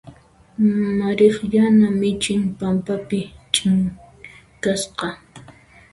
Mariq yana michin pampapi chinkasqa.